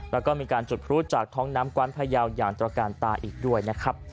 แล้วก็มีการจุดพลุจากท้องน้ำกว้านพยาวอย่างตระการตาอีกด้วยนะครับ